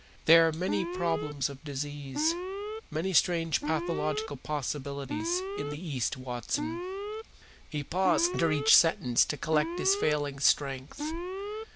"There are many problems of disease, many strange pathological possibilities, in the East, Watson." He paused after each sentence to collect his failing strength.